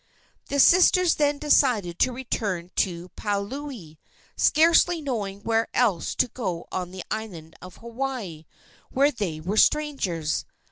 The sisters then decided to return to Paliuli, scarcely knowing where else to go on the island of Hawaii, where they were strangers.